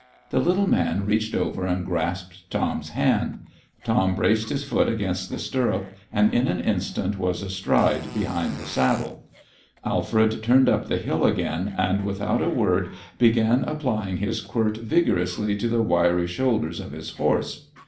The little man reached over and grasped Tom's hand. Tom braced his foot against the stirrup, and in an instant was astride behind the saddle. Alfred turned up the hill again, and without a word began applying his quirt vigorously to the wiry shoulders of his horse.